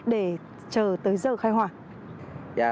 để chờ tới giờ khai hòa